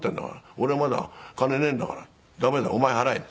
俺まだ金ねえんだから駄目だお前払え」って。